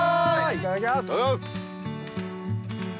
いただきます。